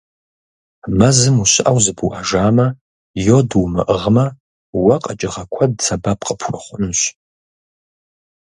Мэзым ущыӀэу зыбуӀэжамэ, йод умыӀыгъмэ, уэ къэкӀыгъэ куэд сэбэп къыпхуэхъунущ.